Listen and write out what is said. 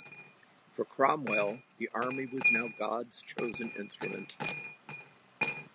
For Cromwell, the army was now God's chosen instrument.